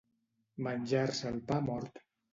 Menjar-se el pa mort.